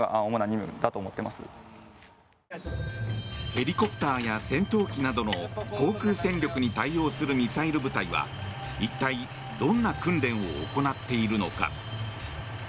ヘリコプターや戦闘機などの航空戦力に対応するミサイル部隊は一体、どんな訓練を行っているのか。